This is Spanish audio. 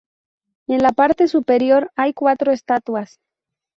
En la parte superior hay cuatro estatuas.